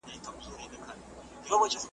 له ازله د انسان د لاس مریی وو ,